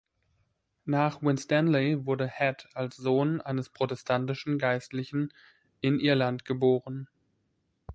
Nach Winstanley wurde Head als Sohn eines protestantischen Geistlichen in Irland geboren.